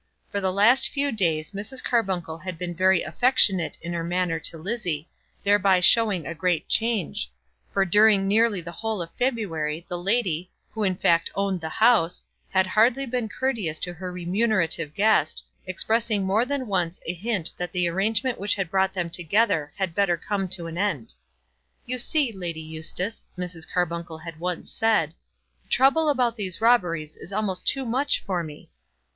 For the last few days Mrs. Carbuncle had been very affectionate in her manner to Lizzie, thereby showing a great change; for during nearly the whole of February the lady, who in fact owned the house, had hardly been courteous to her remunerative guest, expressing more than once a hint that the arrangement which had brought them together had better come to an end. "You see, Lady Eustace," Mrs. Carbuncle had once said, "the trouble about these robberies is almost too much for me."